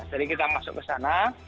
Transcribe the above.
jadi kita masuk ke sana